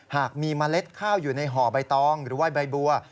หากมีเมล็ดข้าวอยู่ในห่อใบตองหรือว่าใบบัว